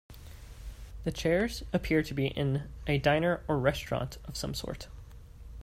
The chairs appear to be in a diner or restaurant of some sort.